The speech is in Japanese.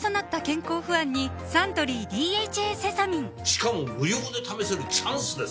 しかも無料で試せるチャンスですよ